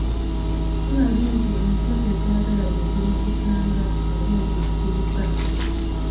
Tulabye nti enswa tezaagala bintu bizikanga oba ebizitiisa.